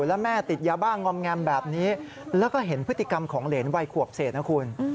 แล้วแม่ติดยาบ้างอมแงมแบบนี้แล้วก็เห็นพฤติกรรมของเหรนวัยขวบเศษนะคุณ